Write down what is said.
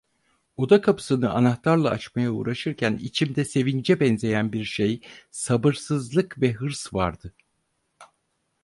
Oda kapısını anahtarla açmaya uğraşırken içimde sevince benzeyen bir şey, sabırsızlık ve hırs vardı.